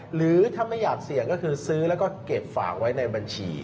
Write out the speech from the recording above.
หรือถ้าไม่อยากเสี่ยงก็คือซื้อแล้วก็เก็บฝากไว้ในบัญชี